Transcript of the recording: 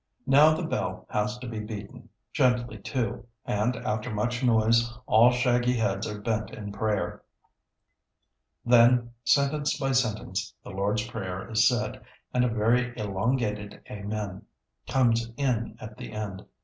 Now the bell has to be beaten, gently too, and, after much noise, all shaggy heads are bent in prayer, then sentence by sentence, the Lord's Prayer is said, and a very elongated "Amen" comes in at the end.